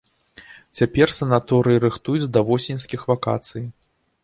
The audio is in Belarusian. Цяпер санаторыі рыхтуюць да восеньскіх вакацый.